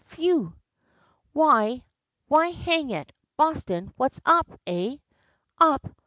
"Phew!" "Why why, hang it, Boston, what's up eh?" "'Up!'